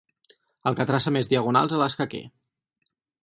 El que traça més diagonals a l'escaquer.